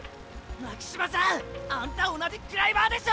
巻島さんあんた同じクライマーでしょ！